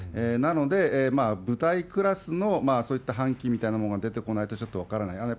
なので、部隊クラスのそういった反旗みたいなものが出てこないと、分からない。